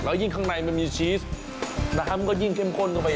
ยิ่งข้างในมันมีชีสน้ำมันก็ยิ่งเข้มข้นเข้าไป